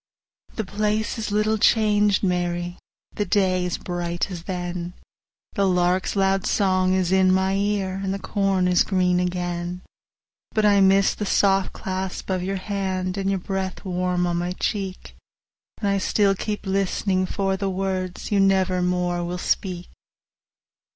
The place is little changed, Mary, The day is bright as then, 10 The lark's loud song is in my ear, And the corn is green again; But I miss the soft clasp of your hand, And your breath warm on my cheek, And I still keep list'ning for the words 15 You never more will speak.